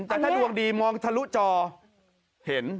แต่ถ้าดวงดีมองทะลุจอเห็น